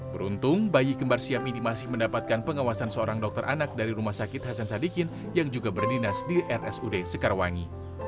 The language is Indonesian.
beruntung bayi kembar siam ini masih mendapatkan pengawasan seorang dokter anak dari rumah sakit hasan sadikin yang juga berdinas di rsud sekarwangi